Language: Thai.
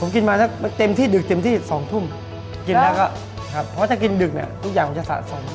กินตอนทุ่มเพราะจะกินดึกนะทุกอย่างจะสะส้ม